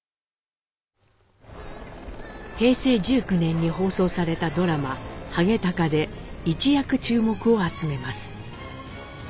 平成１９年に放送されたドラマ「ハゲタカ」で一躍注目を集めます。